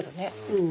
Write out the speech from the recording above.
うん。